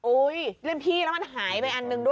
รุ่นพี่แล้วมันหายไปอันหนึ่งด้วย